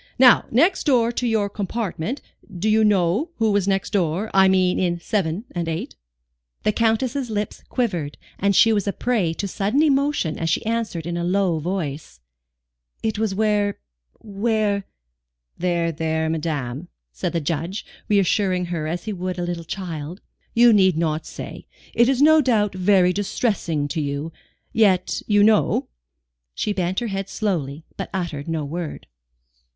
Now next door to your compartment do you know who was next door? I mean in 7 and 8?" The Countess's lip quivered, and she was a prey to sudden emotion as she answered in a low voice: "It was where where " "There, there, madame," said the Judge, reassuring her as he would a little child. "You need not say. It is no doubt very distressing to you. Yet, you know?" She bent her head slowly, but uttered no word.